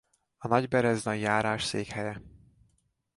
A Nagybereznai járás székhelye.